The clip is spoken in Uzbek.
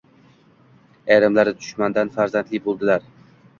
Ayrimlari dushmandan farzandli bo`ldilar